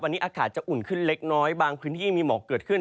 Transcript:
วันนี้อากาศจะอุ่นขึ้นเล็กน้อยบางพื้นที่มีหมอกเกิดขึ้น